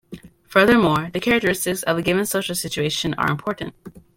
Furthermore, the characteristics of a given social situation are important.